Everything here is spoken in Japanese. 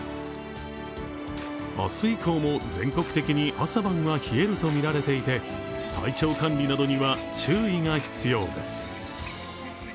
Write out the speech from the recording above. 明日以降も全国的に朝晩は冷えると見られていて体調管理などには注意が必要です。